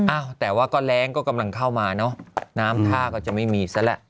อ้าวแต่ว่าก็แรงก็กำลังเข้ามาเนอะน้ำท่าก็จะไม่มีซะแหละ